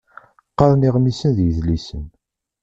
Qqaren iɣmisen d yidlisen.